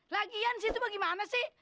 lagian sih itu bagaimana sih